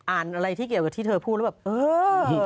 อะไรที่เกี่ยวกับที่เธอพูดแล้วแบบเออ